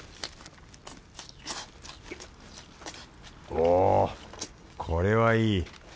おおこれはいい！